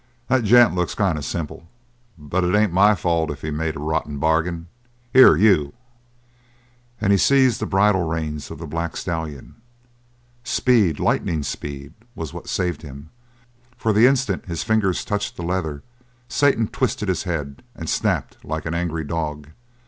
"That gent looks kind of simple; but it ain't my fault if he made a rotten bargain. Here, you!" And he seized the bridle reins of the black stallion. Speed, lightning speed, was what saved him, for the instant his fingers touched the leather Satan twisted his head and snapped like an angry dog.